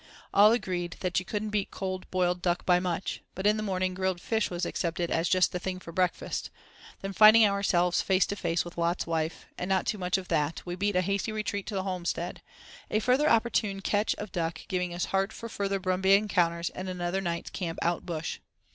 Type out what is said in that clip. All agreed that "you couldn't beat cold boiled duck by much"; but in the morning grilled fish was accepted as "just the thing for breakfast"; then finding ourselves face to face with Lot's wife, and not too much of that, we beat a hasty retreat to the homestead; a further opportune "catch" of duck giving us heart for further brumby encounters and another night's camp out bush.